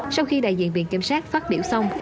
sau khi đại diện viện kiểm sát phát biểu xong